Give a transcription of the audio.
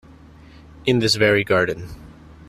In this very garden.